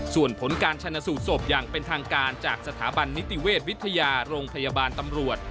ส่วนผลการชนะสูตรศพอย่างเป็นทางการจากสถาบันนิติเวชวิทยาโรงพยาบาลตำรวจ